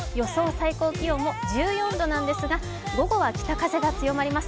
最高気温も１４度なんですが午後は北風が強まります。